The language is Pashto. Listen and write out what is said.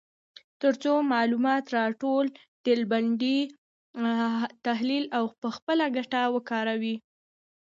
تر څو معلومات راټول، ډلبندي، تحلیل او په خپله ګټه وکاروي.